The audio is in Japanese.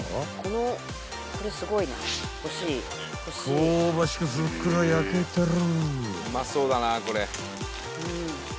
［香ばしくふっくら焼けてる］